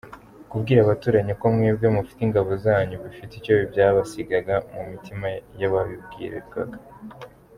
Kubwira abaturanyi ko mwebwe mufite ingabo zanyu bifite icyo byasigaga mu mitima y’ababwirwaga.